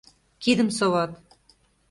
Кидым соват.